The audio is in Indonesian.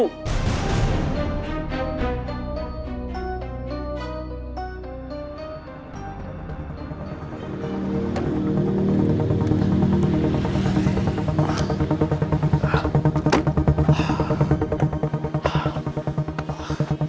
dan kamu harus memperbaiki itu dulu